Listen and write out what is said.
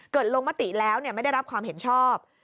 ลงมติแล้วไม่ได้รับความเห็นชอบ